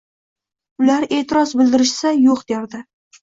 Ular e’tiroz bildirishsa, yo‘q derdi.